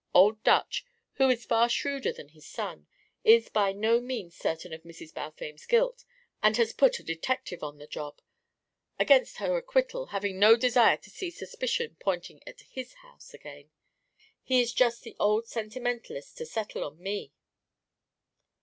Old Dutch, who is far shrewder than his son, is by no means certain of Mrs. Balfame's guilt and has put a detective on the job against her acquittal, having no desire to see suspicion pointing at his house again. He is just the old sentimentalist to settle on me."